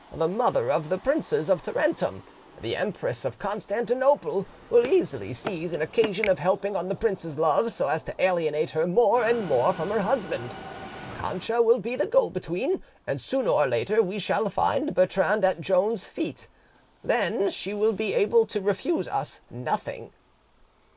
The mother of the Princes of Tarentum, the Empress of Constantinople, will easily seize an occasion of helping on the princess's love so as to alienate her more and more from her husband: Cancha will be the go between, and sooner or later we shall find Bertrand at Joan's feet. Then she will be able to refuse us nothing."